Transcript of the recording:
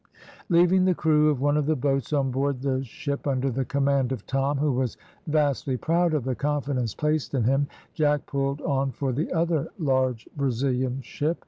Leaving the crew of one of the boats on board the ship under the command of Tom, who was vastly proud of the confidence placed in him, Jack pulled on for the other large Brazilian ship.